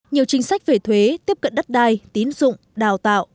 nhiều chính sách về thuế tiếp cận đất đai tín dụng đào tạo